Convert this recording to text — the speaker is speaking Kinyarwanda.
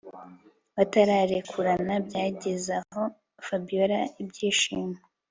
batararekurana byagezaho Fabiora ibyishimo